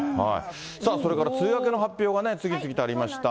さあそれから梅雨明けの発表が次々とありました。